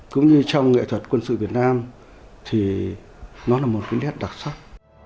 cũng như trong nghệ thuật quân sự việt nam thì nó là một cái nét đặc sắc